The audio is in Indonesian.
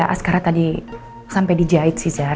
asala tadi sampe dijait sih zar